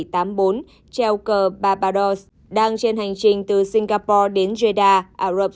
treo cờ barbados đang trên hành trình từ singapore đến jeddah